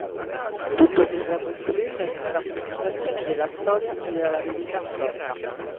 Tutto sembra confluire nella rappresentazione della Storia e della Verità storica.